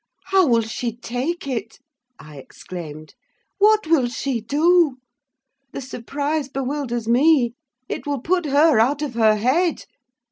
"How will she take it?" I exclaimed. "What will she do? The surprise bewilders me—it will put her out of her head!